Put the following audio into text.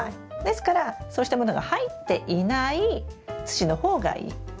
ですからそうしたものが入っていない土の方がいい。